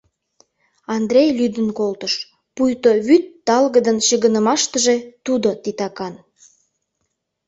Андрей лӱдын колтыш, пуйто «вӱд талгыдын чыгынымаштыже» тудо титакан.